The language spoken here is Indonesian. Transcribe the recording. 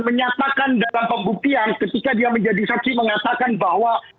menyatakan dalam pembuktian ketika dia menjadi saksi mengatakan bahwa